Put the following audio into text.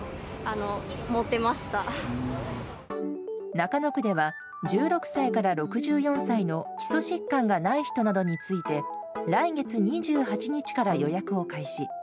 中野区では、１６歳から６４歳の基礎疾患がない人に対し来月２８日から予約を開始。